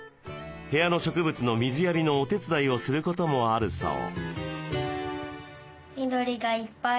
部屋の植物の水やりのお手伝いをすることもあるそう。